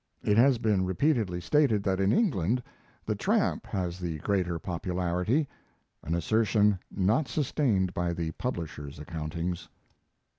It has been repeatedly stated that in England the Tramp has the greater popularity, an assertion not sustained by the publisher's accountings.